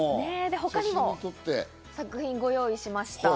他にも作品をご用意しました。